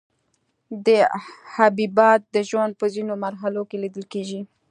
دا حبیبات د ژوند په ځینو مرحلو کې لیدل کیږي.